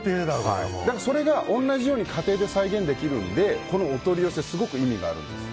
それが同じように家庭で再現できるのでこのお取り寄せすごく意味があるんです。